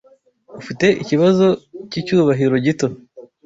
Ufite ikibazo cyicyubahiro gito